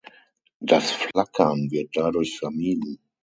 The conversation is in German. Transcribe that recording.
Das Flackern wird dadurch vermieden.